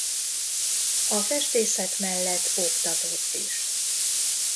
A festészet mellett oktatott is.